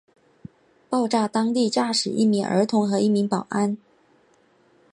爆炸当场炸死一名儿童和一名保安。